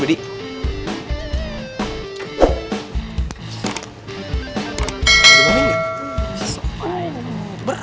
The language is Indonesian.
kondisi telah maksimal kedokteran